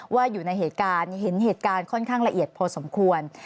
ว่าอยู่ในเหตุการณ์เห็นเหตุการณ์ค่อนข้างละเอียดพอสมควร